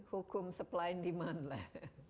hukum supply and demand lah